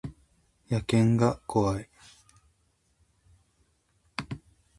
野犬が怖い